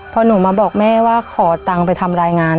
พอหนูมาบอกแม่ว่าขอตังค์ไปทำรายงาน